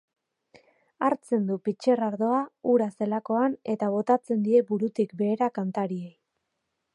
Hartzen du pitxer ardoa, ura zelakoan, eta botatzen die burutik behera kantariei.